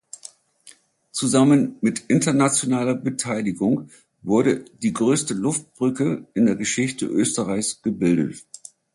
Zusammen mit internationaler Beteiligung wurde die größte Luftbrücke in der Geschichte Österreichs gebildet.